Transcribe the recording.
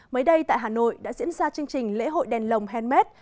mới đây tại hà nội đã diễn ra chương trình lễ hội đèn lồng handmade